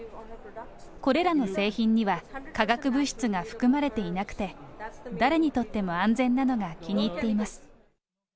これらの製品には、化学物質が含まれていなくて、誰にとっても安全なのが気に入っています。